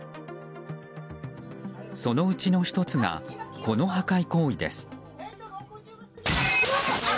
そのうちの１つがこの破壊行為です。